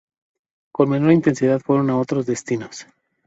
Con menor intensidad fueron a otros destinos.